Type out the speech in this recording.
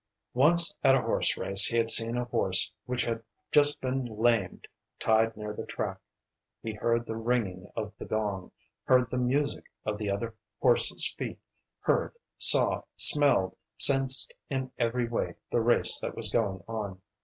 Once at a horse race he had seen a horse which had just been lamed tied near the track. It heard the ringing of the gong, heard the music of the other horses' feet, heard, saw, smelled, sensed in every way the race that was going on.